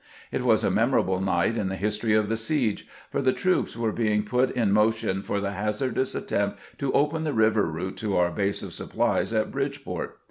It was a memorable night in the history of the siege, for the troops were being put in motion for the hazardous attempt to open the river route to our base of supplies at Bridgeport.